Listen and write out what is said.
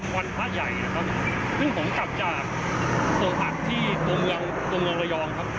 วันพระใหญ่นะครับซึ่งผมกลับจากตัวผักที่ตัวเมืองระยองครับ